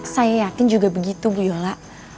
saya yakin juga begitu bu yola